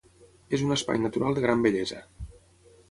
És un espai natural de gran bellesa.